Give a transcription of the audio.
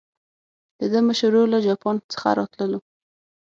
د ده مشر ورور له جاپان څخه راتللو.